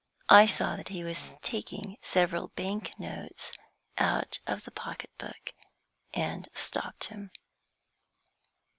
I saw that he was taking several bank notes out of the pocket book, and stopped him.